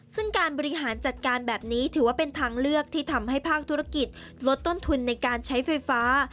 ซึ่งการบริหารจัดการแบบนี้ถือว่าเป็นทางเลือกที่ทำให้ภาคธุรกิจลดต้นทุนในการใช้ไฟฟ้า